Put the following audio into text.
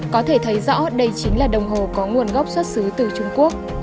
có thể thấy rõ đây chính là đồng hồ có nguồn gốc xuất xứ từ trung quốc